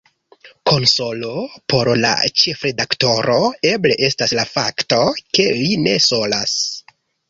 Konsolo por la ĉefredaktoro eble estas la fakto, ke li ne solas.